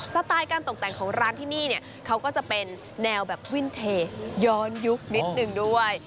ไตล์การตกแต่งของร้านที่นี่เนี่ยเขาก็จะเป็นแนวแบบวินเทจย้อนยุคนิดนึงด้วย